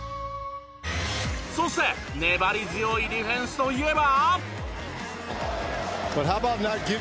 そして粘り強いディフェンスといえば。